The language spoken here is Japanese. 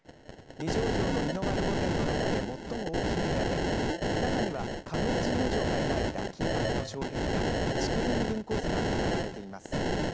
二条城の二の丸御殿の中で最も大きい部屋で中には狩野甚之丞が描いた金ぱくの障壁画竹林群虎図が飾られています。